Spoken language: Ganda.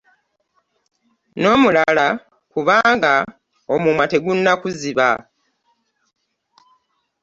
N'omulala kubanga omutwe tegunakoziba.